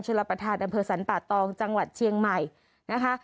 รับประทานอำเภอสรรป่าตองจังหวัดเชียงใหม่นะคะ